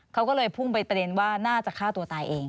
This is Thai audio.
เขาก็เลยพุ่งไปประเด็นว่าน่าจะฆ่าตัวตายเอง